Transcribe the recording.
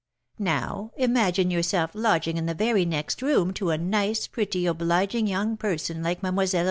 Now, imagine yourself lodging in the very next room to a nice, pretty, obliging young person, like Mlle.